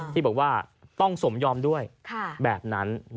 ที่บอกว่าต้องสมยอมด้วยแบบนั้น